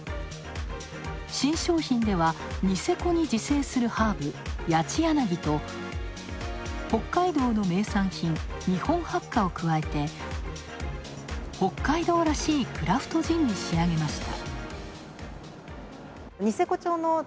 新商品ではニセコに自生するハーブ、ヤチヤナギと北海道の名産品、ニホンハッカを加えて、北海道らしいクラフトジンに仕上げました。